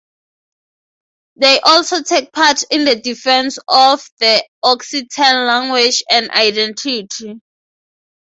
They also take part in the defence of the Occitan language and identity.